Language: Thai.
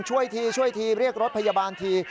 ช่วยทีช่วยทีเรียกรถพยาบาลที